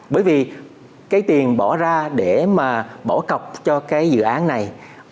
bởi vì cái tiền bỏ ra để mà bỏ cọc cho cái dự án này